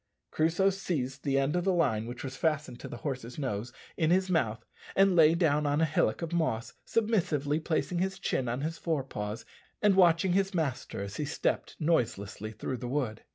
Crusoe seized the end of the line, which was fastened to the horse's nose, in his mouth, and lay down on a hillock of moss, submissively placing his chin on his forepaws, and watching his master as he stepped noiselessly through the wood.